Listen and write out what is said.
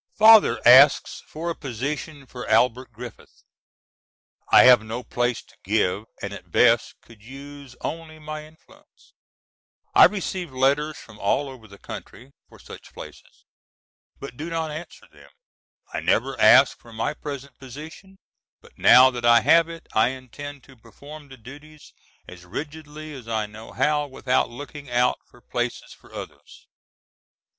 Father asks for a position for Albert Griffith. I have no place to give and at best could use only my influence. I receive letters from all over the country for such places, but do not answer them. I never asked for my present position, but now that I have it I intend to perform the duties as rigidly as I know how without looking out for places for others.